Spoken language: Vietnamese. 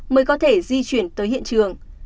mới có thể di chuyển tới hiện trường